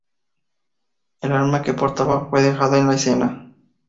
El arma que portaba fue dejada en la escena.